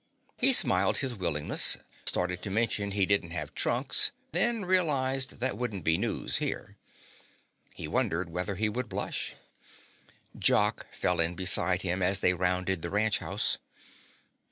He smiled his willingness, started to mention he didn't have trunks, then realized that wouldn't be news here. He wondered whether he would blush. Jock fell in beside him as they rounded the ranch house.